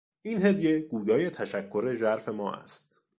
این هدیه گویای تشکر ژرف ما است.